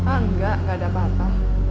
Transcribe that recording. enggak enggak ada apa apa